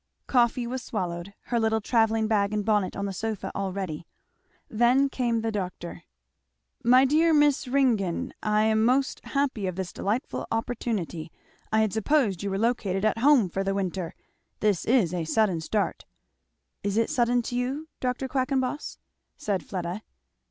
Coffee was swallowed, her little travelling bag and bonnet on the sofa; all ready. Then came the doctor. "My dear Miss Ringgan! I am most happy of this delightful opportunity I had supposed you were located at home for the winter. This is a sudden start." "Is it sudden to you, Dr. Quackenboss?" said Fleda.